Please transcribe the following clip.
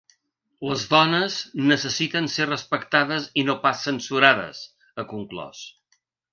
Les dones necessiten ser respectades i no pas censurades, ha conclòs.